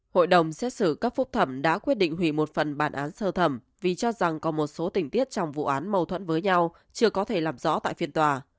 hội đồng xét xử cấp phúc thẩm đã quyết định hủy một phần bản án sơ thẩm vì cho rằng có một số tình tiết trong vụ án mâu thuẫn với nhau chưa có thể làm rõ tại phiên tòa